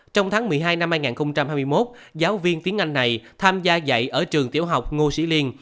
trong tháng một mươi hai năm hai nghìn hai mươi một giáo viên tiếng anh này tham gia dạy ở trường tiểu học ngô sĩ liên